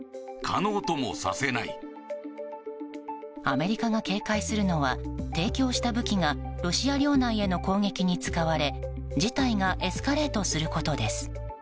アメリカが警戒するのは提供した武器がロシア領内への攻撃に使われ事態がエスカレートすることです。